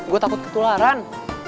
gue takut ketularan